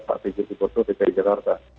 pak pcc koso dpi jakarta